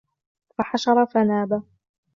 فحشر فنادى